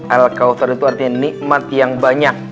al qawfer itu artinya nikmat yang banyak